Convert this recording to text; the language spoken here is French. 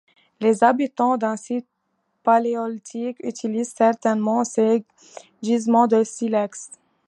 Les habitants d'un site paléolithique utilisaient certainement ces gisements de silex.